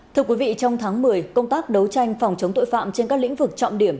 thưa quý vị trong tháng một mươi công tác đấu tranh phòng chống tội phạm trên các lĩnh vực trọng điểm